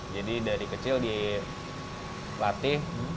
jadi dari kecil dilatih